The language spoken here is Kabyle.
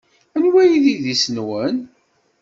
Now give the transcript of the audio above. Anwa ay d idis-nwen?